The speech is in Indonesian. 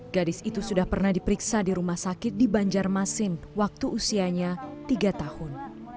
gadis itu sudah pernah diperiksa di rumah sakit di banjarmasin waktu usianya tiga tahun